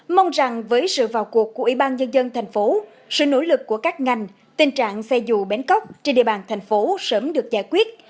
mong rằng với sự vào cuộc của ủy ban nhân dân thành phố sự nỗ lực của các ngành tình trạng xe dù bến cóc trên địa bàn thành phố sớm được giải quyết